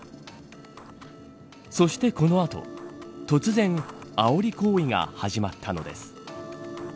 そして、このあと突然、あおり行為が始まったのです。